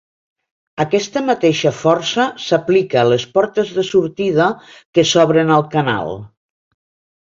Aquesta mateixa força s'aplica a les portes de sortida, que s'obren al canal.